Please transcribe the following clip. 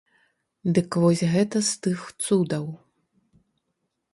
Дык вось гэта з тых цудаў.